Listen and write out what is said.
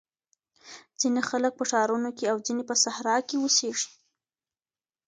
ځینې خلګ په ښارونو کي او ځینې په صحرا کي اوسېږي.